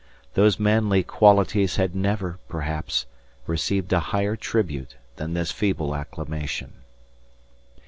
Those manly qualities had never, perhaps, received a higher tribute than this feeble acclamation.